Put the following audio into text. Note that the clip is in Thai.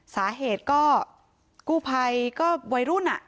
สาเหตุก็กู้ภัยก็วัยรุ่นอ่ะ